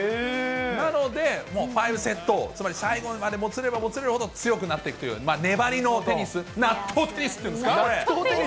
なので、もう５セット王、つまり最後までもつれればもつれるほど強くなっていくという、粘りのテニス、納豆テニスっていうんですか？